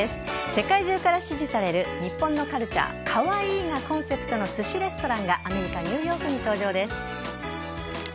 世界中から支持される日本のカルチャーカワイイがコンセプトの寿司レストランがアメリカ・ニューヨークに登場です。